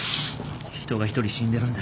人が１人死んでるんだ。